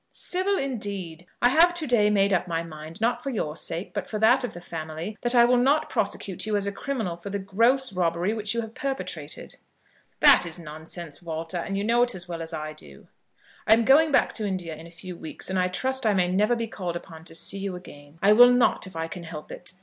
"Civil, indeed! I have to day made up my mind, not for your sake, but for that of the family, that I will not prosecute you as a criminal for the gross robbery which you have perpetrated." "That is nonsense, Walter, and you know it as well as I do." "I am going back to India in a few weeks, and I trust I may never be called upon to see you again. I will not, if I can help it.